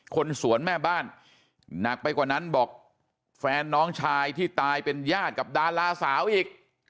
คนสวนแม่บ้านหนักไปกว่านั้นบอกแฟนน้องชายที่ตายเป็นญาติกับดาราสาวอีก